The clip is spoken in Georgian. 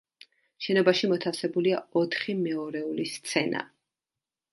შენობაში მოთავსებულია ოთხი მეორეული სცენა.